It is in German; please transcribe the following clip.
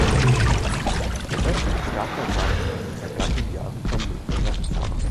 Die restlichen Starter waren wie in den vergangenen Jahren vermögende Herrenfahrer.